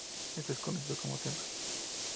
Esto es conocido como tema.